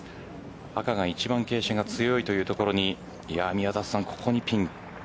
赤が１番傾斜が強いというところにここにピン。